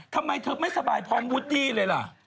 ทำไมเธอไม่สบายพร้อมวูดดี้เลยล่ะ